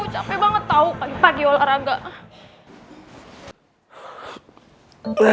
capek banget tau pagi pagi olahraga